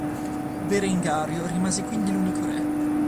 Berengario rimase quindi l'unico Re.